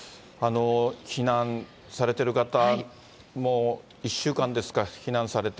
避難されてる方、もう１週間ですか、避難されて。